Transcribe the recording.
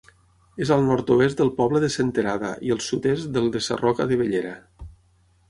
És al nord-oest del poble de Senterada i al sud-est del de Sarroca de Bellera.